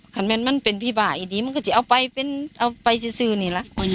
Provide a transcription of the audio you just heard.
มันเป็นพี่บ้าไอ้ดีมันก็จะเอาไปเป็นเอาไปซื้อนี่ล่ะ